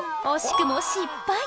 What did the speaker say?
惜しくも失敗。